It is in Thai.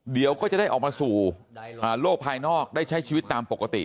เดี๋ยวก็จะได้ออกมาสู่โลกภายนอกได้ใช้ชีวิตตามปกติ